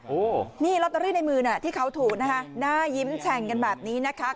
โอ้โหนี่ลอตเตอรี่ในมือน่ะที่เขาถูกนะคะหน้ายิ้มแฉ่งกันแบบนี้นะคะ